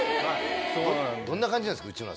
どんな感じなんですか内村さん。